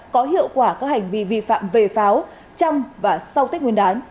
có hiệu quả các hành vi vi phạm về pháo trong và sau tết nguyên đán